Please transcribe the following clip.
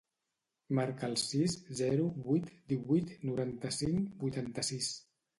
Marca el sis, zero, vuit, divuit, noranta-cinc, vuitanta-sis.